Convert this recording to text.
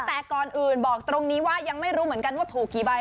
แต่ก่อนอื่นบอกตรงนี้ว่ายังไม่รู้เหมือนกันว่าถูกกี่ใบ